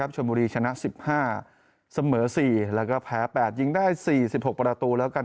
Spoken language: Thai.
ชนบุรีชนะ๑๕เสมอ๔แล้วก็แพ้๘ยิงได้๔๖ประตูแล้วกัน